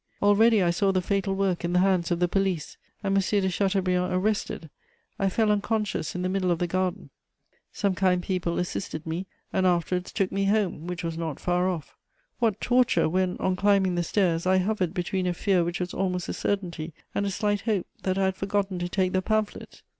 Already I saw the fatal work in the hands of the police and M. de Chateaubriand arrested: I fell unconscious in the middle of the garden; some kind people assisted me, and afterwards took me home, which was not far off. What torture when, on climbing the stairs, I hovered between a fear which was almost a certainty and a slight hope that I had forgotten to take the pamphlet!